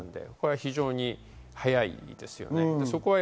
非常に速いです。